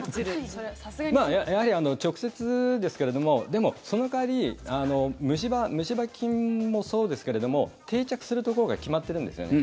やはり直接ですけれどもでも、その代わり虫歯菌もそうですけれども定着するところが決まってるんですよね。